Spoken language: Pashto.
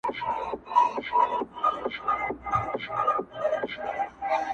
چي لا ګوري دې وطن ته د سکروټو سېلابونه--!